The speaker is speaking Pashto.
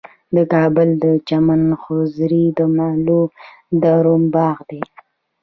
د کابل د چمن حضوري د مغلو دورې باغ دی